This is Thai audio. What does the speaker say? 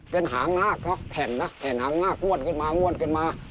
เป็นหางนากเนอะแถ่นนะแถ่นหางนากอ้วนขึ้นมาอ้วนขึ้นมา